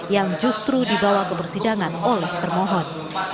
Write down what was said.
yang justru dibawa ke persidangan oleh termohon